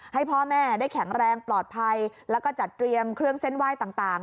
ให้พ่อแม่ได้แข็งแรงปลอดภัยแล้วก็จัดเตรียมเครื่องเส้นไหว้ต่าง